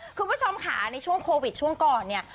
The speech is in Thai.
คุณผู้ชมค่ะในช่วงโควิดช่วงก่อนเนี่ย